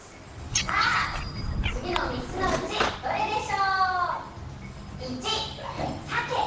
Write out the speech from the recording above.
さあつぎのみっつのうちどれでしょう？